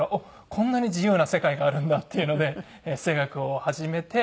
こんなに自由な世界があるんだっていうので声楽を始めて。